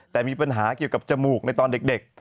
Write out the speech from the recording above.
แต่มีปัญหาเกี่ยวกับจมูกในตอนเด็ก